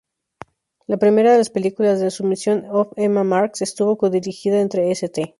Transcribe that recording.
La primera de las películas, "The Submission of Emma Marx", estuvo codirigida entre St.